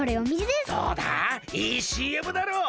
どうだいいＣＭだろう？